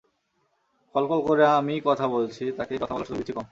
কলকল করে আমিই কথা বলছি, তাকে কথা বলার সুযোগ দিচ্ছি কম।